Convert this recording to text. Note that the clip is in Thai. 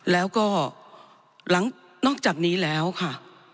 แล้วก็หลังจากนี้แล้วค่ะ